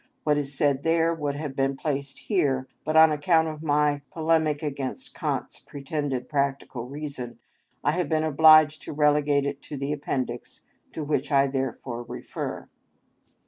What is said there would have been placed here, but on account of my polemic against Kant's pretended practical reason I have been obliged to relegate it to the Appendix, to which I therefore refer.